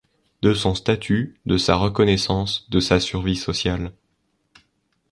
De son statut, de sa reconnaissance, de sa survie sociale.